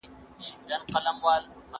زه مخکي لوښي وچولي وو،